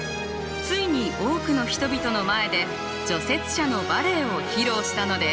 ついに多くの人々の前で除雪車のバレエを披露したのです。